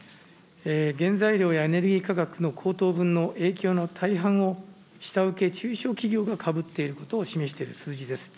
原材料やエネルギー価格の高騰分の影響の大半を下請け・中小企業がかぶっていることを示している数字です。